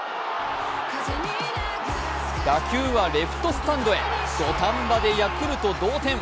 打球はレフトスタンドへ、土壇場でヤクルト同点。